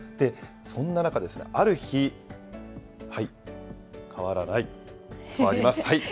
そんな中、ある日、変わらない、変わります。